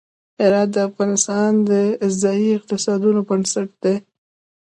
هرات د افغانستان د ځایي اقتصادونو بنسټ دی.